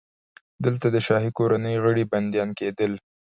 دلته د شاهي کورنۍ غړي بندیان کېدل.